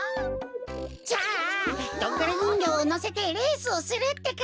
じゃあドングリにんぎょうをのせてレースをするってか！